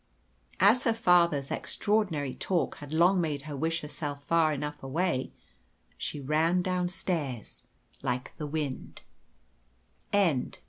As her father's extraordinary talk had long made her wish herself far enough away, she ran downstairs like the wind.